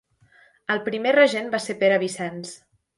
El primer regent va ser Pere Vicenç.